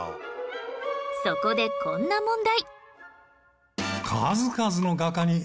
そこでこんな問題